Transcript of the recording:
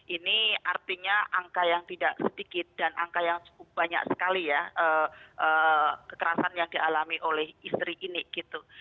ini artinya angka yang tidak sedikit dan angka yang cukup banyak sekali ya kekerasan yang dialami oleh istri ini gitu